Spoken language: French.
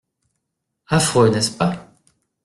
Affreux, n’est-ce pas ?